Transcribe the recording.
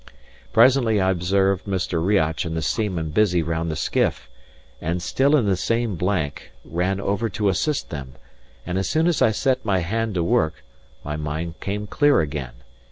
Presently I observed Mr. Riach and the seamen busy round the skiff, and, still in the same blank, ran over to assist them; and as soon as I set my hand to work, my mind came clear again.